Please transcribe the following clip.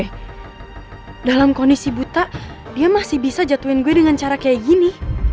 eh dalam kondisi buta dia masih bisa jatuhin gue dengan cara kayak gini